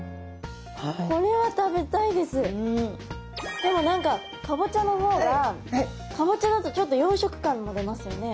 でも何かかぼちゃの方がかぼちゃだとちょっと洋食感も出ますよね。